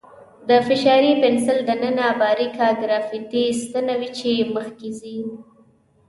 د فشاري پنسل دننه باریکه ګرافیتي ستنه وي چې مخکې ځي.